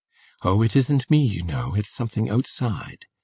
"Oh, it isn't me, you know; it's something outside!"